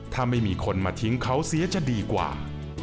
ถ้าไม่มีคนมาทิ้งเขาเสียจะดีกว่า